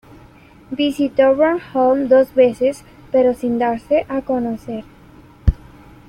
Visitó Bornholm dos veces, pero sin darse a conocer.